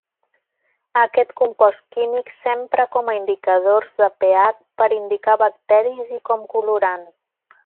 Aquest compost químic s'empra com a indicadors de pH, per indicar bacteris i com colorant.